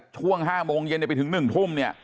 ช่วง๕โมงเย็นไปถึง๑ทุ่ม